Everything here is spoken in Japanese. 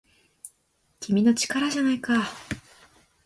君の力じゃないか